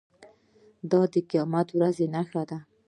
دا د قیامت د ورځې نښه ده.